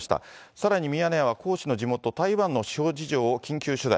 さらにミヤネ屋は、江氏の地元、台湾の司法事情を緊急取材。